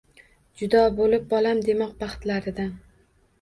Judo bulib bolam demoq baxtlaridan